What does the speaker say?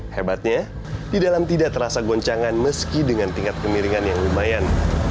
hebatnya di dalam tidak terasa goncangan meski dengan tingkat kemiringan yang lumayan